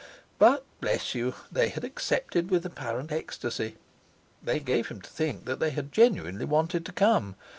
But, bless you! they had accepted with apparent ecstasy. They gave him to think that they had genuinely wanted to come.